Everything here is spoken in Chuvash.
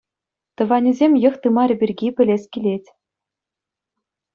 Тӑванӗсем, йӑх-тымарӗ пирки пӗлес килет.